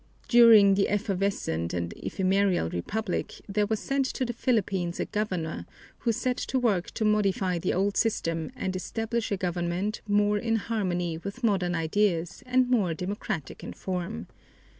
During the effervescent and ephemeral republic there was sent to the Philippines a governor who set to work to modify the old system and establish a government more in harmony with modern ideas and more democratic in form.